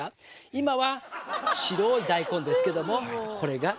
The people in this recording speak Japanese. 今は白い大根ですけどもこれが変わりますよ。